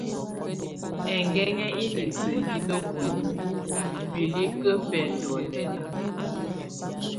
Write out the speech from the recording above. Ɛnguɛŋɛ inisə yɛ nabulu bilikə bɛndɔ lɛla.